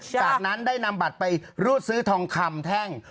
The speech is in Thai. จากนั้นได้นำบัตรไปรูดซื้อทองคำแท่ง